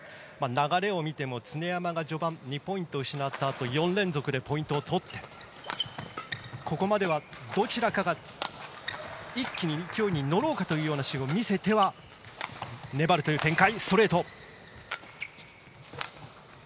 流れを見ても常山が序盤２ポイントを失ったあと４連続でポイントを取ってここまではどちらかが一気に勢いに乗ろうかという姿勢を見せては粘るという展開。